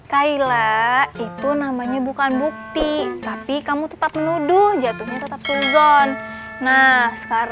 kaila itu namanya bukan bukti tapi kamu tetap menuduh jatuhnya tetap suuzon nah sekarang lebih baiknya kamu menuduh aku sama ajeng pencuri